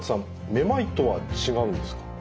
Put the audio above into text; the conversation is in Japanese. めまいとは違うんですか？